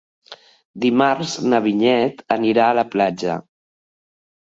Dimarts na Vinyet anirà a la platja.